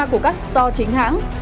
của các store chính hãng